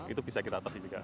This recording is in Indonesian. itu bisa kita atasi juga